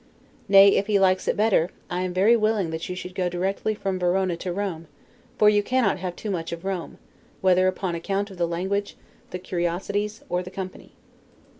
Nay, if he likes it better, I am very willing that you should go directly from Verona to Rome; for you cannot have too much of Rome, whether upon account of the language, the curiosities, or the company.